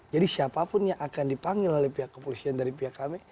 jadi siapapun yang akan dipanggil oleh pihak kepolisian dari pihak kami